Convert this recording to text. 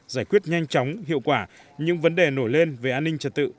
giải quyết nhanh chóng hiệu quả những vấn đề nổi lên về an ninh trật tự